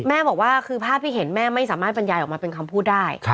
บอกว่าคือภาพที่เห็นแม่ไม่สามารถบรรยายออกมาเป็นคำพูดได้